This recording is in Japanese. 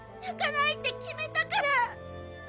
泣かないって決めたから。